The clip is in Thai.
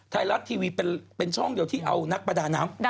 ไทยรัฐทีวีเป็นช่องเดียวที่เอานักประดาน้ำ